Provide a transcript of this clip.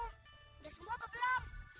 udah sembuh apa belum